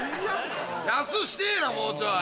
安ぅしてやもうちょい。